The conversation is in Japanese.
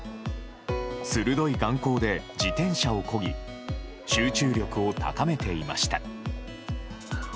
鋭い眼光で自転車をこぎ、集中力を高めていました。